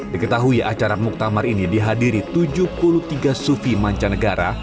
diketahui acara muktamar ini dihadiri tujuh puluh tiga sufi mancanegara